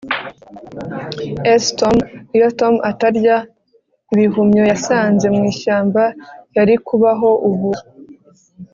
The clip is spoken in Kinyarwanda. s] [tom] iyo tom atarya ibihumyo yasanze mwishyamba, yari kubaho ubu